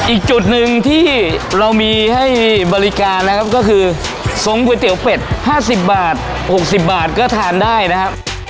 อีกจุดหนึ่งที่เรามีให้บริการนะครับก็คือทรงก๋วยเตี๋ยวเป็ด๕๐บาท๖๐บาทก็ทานได้นะครับ